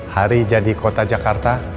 hari jadi kota jakarta